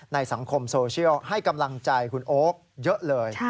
สังคมโซเชียลให้กำลังใจคุณโอ๊คเยอะเลย